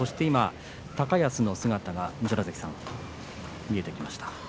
今、高安の姿が見えてきました。